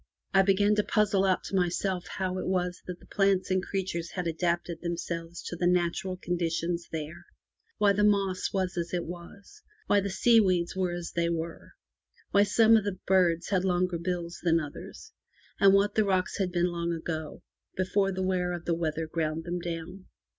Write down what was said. I began to puzzle out to myself how it was that the plants and creatures had adapted themselves to the natural conditions there; why the moss was as it was; why the seaweeds were as they were; why some of the birds had longer bills than others; and what the rocks had been long ago, before the wear of the weather ground them down.